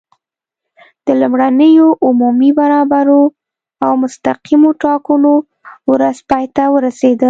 د لومړنیو عمومي، برابرو او مستقیمو ټاکنو ورځ پای ته ورسېده.